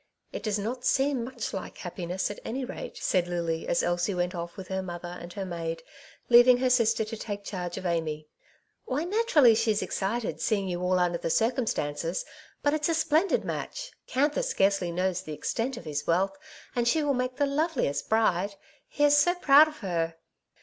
"It does not seem much like happiness, at any rate," said Lily, as Elsie went off with her mother and her maid, leaving her sister to take charge of Amy. '^Why, naturally she's excited, seeing you all under the circumstances; but it's a splendid match. Canthor scarcely knows the extent of his wealth, and she will make the loveliest bride. He is so proud of her."